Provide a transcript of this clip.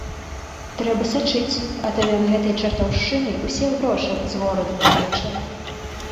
Трэба сачыць, а то ён гэтай чартаўшчынай усе грошы з гораду выкачае.